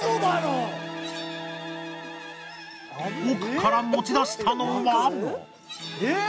奥から持ち出したのは。